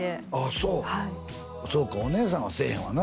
そうはいそうかお姉さんはせえへんわな